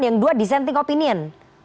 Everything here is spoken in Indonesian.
yang dua dissenting opinion